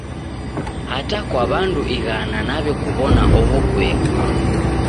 Hata kwa w'andu ighana naw'ekuw'ona oho kueka.